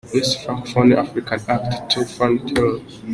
Best Francophone Africa Act Toofan – Terre.